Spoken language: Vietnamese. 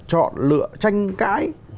chọn lựa tranh cái